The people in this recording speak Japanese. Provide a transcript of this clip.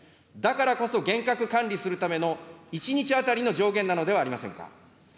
だからこそ、厳格管理するための１日当たりの上限なのではありませんか。